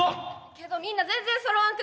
けどみんな全然そろわんくなって。